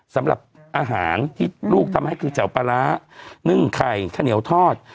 สำหรับอาหารที่ลูกทำให้คือแจ๋วปลาร้านึ่งไข่ข้าวเหนียวทอด